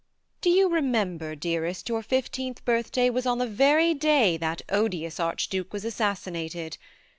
Do you remember, dearest, your fifteenth birthday was on the very day that odious Archduke was assassinated?